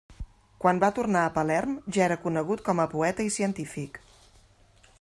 Quan va tornar a Palerm ja era conegut com a poeta i científic.